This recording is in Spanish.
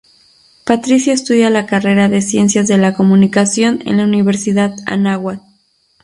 Patricia estudia la carrera de Ciencias de la Comunicación en la Universidad Anáhuac.